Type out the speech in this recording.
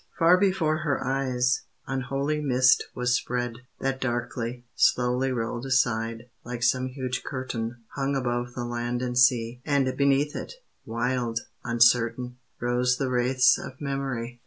Far before her eyes, unholy Mist was spread; that darkly, slowly Rolled aside, like some huge curtain Hung above the land and sea; And beneath it, wild, uncertain, Rose the wraiths of memory.